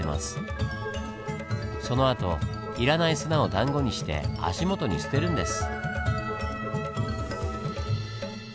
そのあと要らない砂をだんごにして足元に捨てるんです。